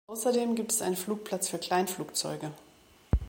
Außerdem gibt es einen Flugplatz für Kleinflugzeuge.